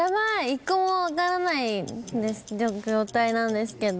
１個も分からない状態なんですけど。